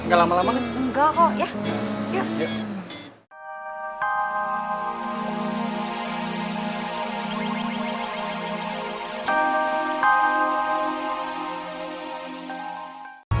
jakaapa tapi dia ga sampe dateng